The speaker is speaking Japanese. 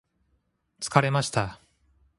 疲れました。